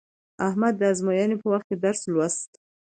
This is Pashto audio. احمد د ازموینې په وخت درس ولوست.